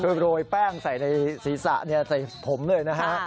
คือโรยแป้งใส่ในศีรษะใส่ผมเลยนะฮะ